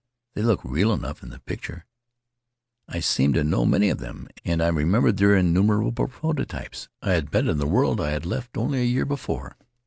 They looked real enough in the picture. I seemed to know many of them, and I remembered their innumerable prototypes I had met in the world I had left only the year before.